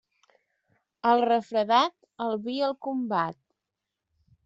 El refredat, el vi el combat.